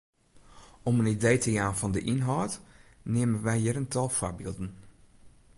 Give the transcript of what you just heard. Om in idee te jaan fan de ynhâld neame wy hjir in tal foarbylden.